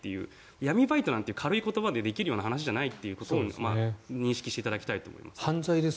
闇バイトなんて言う軽い言葉でできるような話じゃないということを認識していただきたいです。